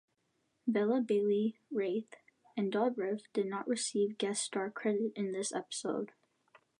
Vela-Bailey, Wraith, and Dobrev did not receive guest star credit in the episode.